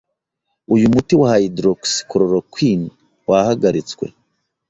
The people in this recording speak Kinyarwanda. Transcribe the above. uyu muti wa Hydroxycholoroquine wahagaritswe,